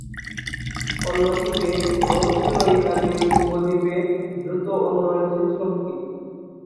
অন্যদিকে রোম ছিল ইতালীয় উপদ্বীপে দ্রুত উন্নয়নশীল শক্তি।